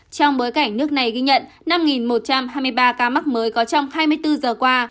trong bối cảnh nước này ghi nhận năm một trăm hai mươi ba ca mắc mới có trong hai mươi bốn giờ qua